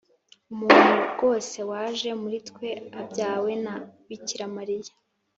umuntu rwose waje muri twe abyawe na bikira mariya.